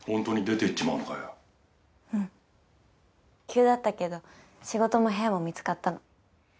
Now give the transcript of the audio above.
急だったけど仕事も部屋も見つかったの。